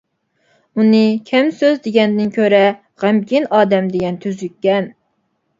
-ئۇنى كەم سۆز دېگەندىن كۆرە، غەمكىن ئادەم دېگەن تۈزۈككەن.